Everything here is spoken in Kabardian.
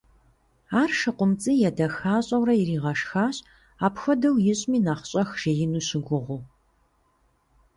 Ар ШыкъумцӀий едэхащӀэурэ иригъэшхащ, ипхуэдэу ищӀми нэхъ щӀэх жеину щыгугъыу.